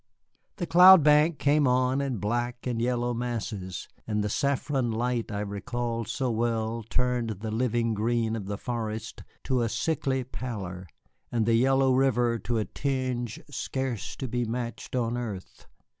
The cloud bank came on in black and yellow masses, and the saffron light I recalled so well turned the living green of the forest to a sickly pallor and the yellow river to a tinge scarce to be matched on earth.